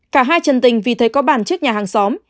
cả hai chân tình vì thấy có bàn trước nhà hàng xóm